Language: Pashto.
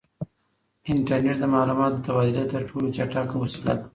انټرنیټ د معلوماتو د تبادلې تر ټولو چټکه وسیله ده.